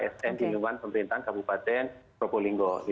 sn di lingkungan pemerintahan kabupaten probolinggo